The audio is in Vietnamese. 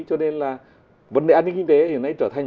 cho nên là vấn đề an ninh kinh tế hiện nay trở thành